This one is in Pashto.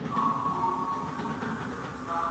بې لاري توب انسان ورکوي.